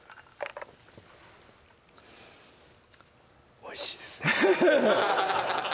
おいしいですね